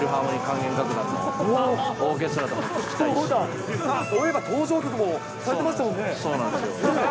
そういえば登場曲も使ってましたもんね。